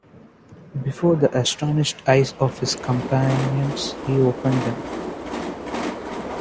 Before the astonished eyes of his companions he opened them.